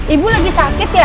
ibu lagi sakit ya